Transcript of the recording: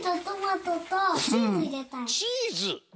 チーズ！？